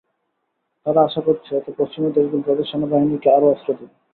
তারা আশা করছে, এতে পশ্চিমা দেশগুলো তাদের সেনাবাহিনীকে আরও অস্ত্র দেবে।